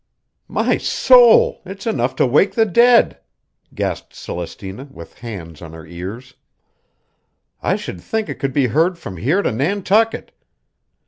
"My soul! It's enough to wake the dead!" gasped Celestina, with hands on her ears. "I should think it could be heard from here to Nantucket.